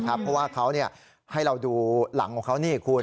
เพราะว่าเขาให้เราดูหลังของเขานี่คุณ